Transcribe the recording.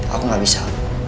aku gak bisa